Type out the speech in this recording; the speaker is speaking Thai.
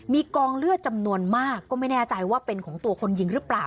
มีกองเลือดจำนวนมากก็ไม่แน่ใจว่าเป็นของตัวคนยิงหรือเปล่า